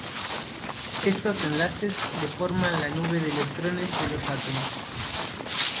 Estos enlaces deforman la nube de electrones de los átomos.